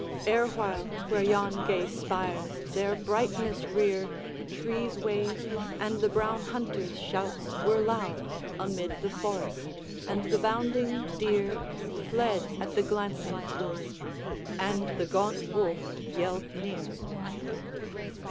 Erewhile, where yon gay spires their brightness rear, Trees waved, and the brown hunter's shouts were loud Amid the forest; and the bounding deer Fled at the glancing plume, and the gaunt wolf yelled near.